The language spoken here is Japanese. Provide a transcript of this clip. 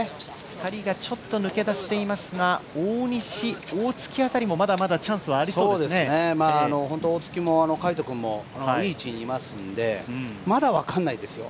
２人がちょっと抜け出していますが大西あたりもまだまだチャンスはありそうですね、大槻も魁斗君もいい位置にいますのでまだ分からないですよ